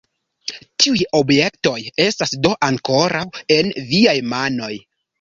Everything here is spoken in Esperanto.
Tiuj objektoj estas do ankoraŭ en viaj manoj?